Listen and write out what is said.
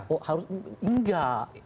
oh harus enggak